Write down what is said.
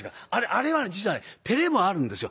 あれはね実はね照れもあるんですよ。